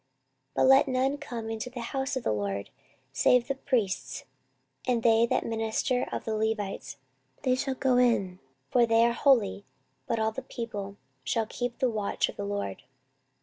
14:023:006 But let none come into the house of the LORD, save the priests, and they that minister of the Levites; they shall go in, for they are holy: but all the people shall keep the watch of the LORD.